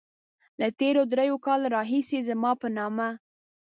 له تېرو دريو کالو راهيسې زما په نامه.